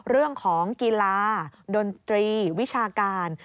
เรื่องของกีฬาดนตรีวิชาการ